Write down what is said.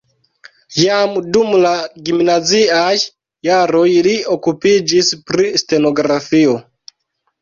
Jam dum la gimnaziaj jaroj li okupiĝis pri stenografio.